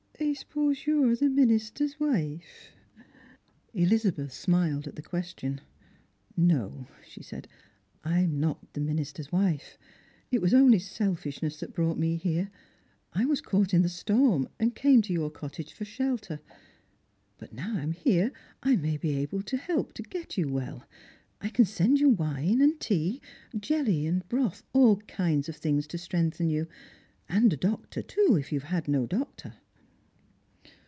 I Buppose you are the minister's wife ?" Elizabeth smiled at the question. "No," she said, "I'm not the minister's wife. It was only selfishness that brought me here ; I was caught in the storm, and came to your cottage for shelter. But now I am here I may be able to help to get you veil. I cr.n send you wine, and tea, jelly, broth, all kinds of things to strengthen you. And a doctor, too, if you've had no doctor."